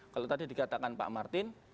kalau tadi dikatakan pak martin